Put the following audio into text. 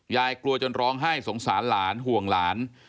ยายกลัวจนร้องไห้สงสารห่วงหลาน